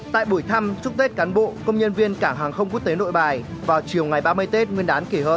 tại buổi thăm chúc tết cán bộ công nhân viên cảng hàng không quốc tế nội bài vào chiều ngày ba mươi tết nguyên đán kỷ hợi